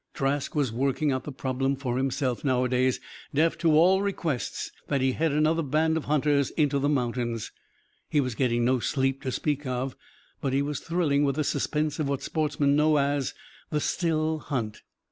Trask was working out the problem, for himself, nowadays, deaf to all requests that he head another band of hunters into the mountains. He was getting no sleep to speak of. But he was thrilling with the suspense of what sportsmen know as "the still hunt."